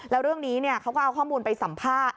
แล้วเรื่องนี้เขาก็เอาข้อมูลไปสัมภาษณ์